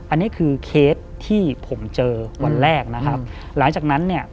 อันนี้คือเคสที่ผมเจอวันแรกนะครับหลังจากนั้นเนี่ย